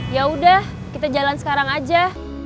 ya udah kita jalan sekarang aja